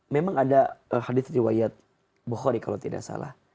memang ada hadits riwayat bukhari kalau tidak salah